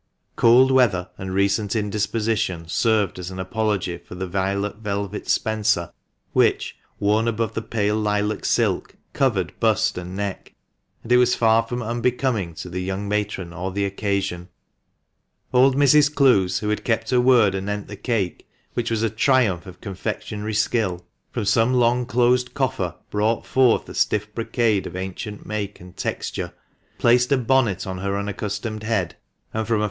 Cold weather and recent indisposition served as an apology for the violet velvet spencer which, worn above the pale lilac silk, covered bust and neck ; and it was far from unbecoming to the young matron or the occasion. Old Mrs. Clowes — who had kept her word anent the cake, which was a triumph of confectionery skill — from some long closed coffer brought forth a stiff brocade of ancient make and texture, placed a bonnet on her unaccustomed head, and from a GEORGE PILKINGTON. From a Photograph. THE MANCHESTER MAN.